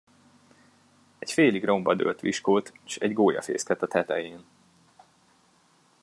Egy félig romba dőlt viskót, s egy gólyafészket a tetején.